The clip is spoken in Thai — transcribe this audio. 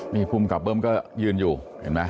นี่ภูมิกับเบิ้มก็ยืนอยู่เห็นไหม